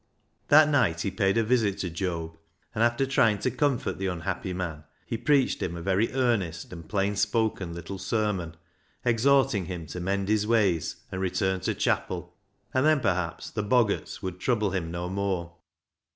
That night he paid a visit to Job, and after trying to comfort the unhappy man, he preached him a very earnest and plain spoken little sermon, exhorting him to mend his ways and return to chapel, and then perhaps the " boggarts " would trouble him no more.